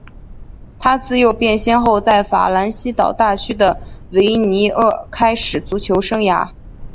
他自幼便先后在法兰西岛大区的维尼厄开始足球生涯。